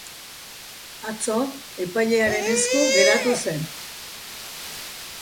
Atzo epailearen esku geratu zen.